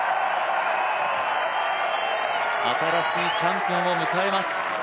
新しいチャンピオンを迎えます。